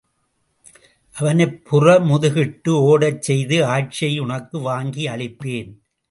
அவனைப் புறமுதுகிட்டு ஓடச் செய்து ஆட்சியை, உனக்கு வாங்கி அளிப்பேன்.